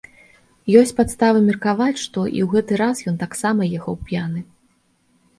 Ёсць падставы меркаваць, што і ў гэты раз ён таксама ехаў п'яны.